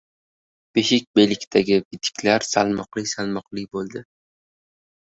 Beshikbellikdagi bitiklar salmoqli-salmoqli bo‘ldi.